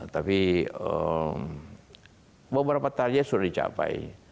tapi beberapa target sudah dicapai